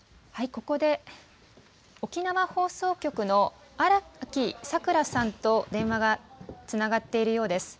ここで沖縄放送局の荒木さくらさんと電話がつながっているようです。